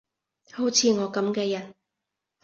好似我噉嘅人